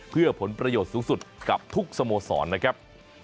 เพื่อผลประโยชน์สูงสุดกับทุกสโมสรนะครับ